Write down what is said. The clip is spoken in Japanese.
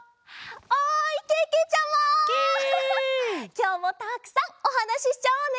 きょうもたくさんおはなししちゃおうね！